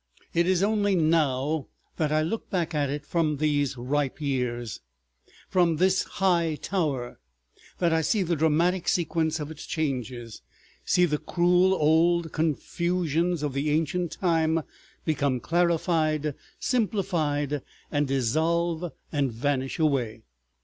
It is only now that I look back at it all from these ripe years, from this high tower, that I see the dramatic sequence of its changes, see the cruel old confusions of the ancient time become clarified, simplified, and dissolve and vanish away.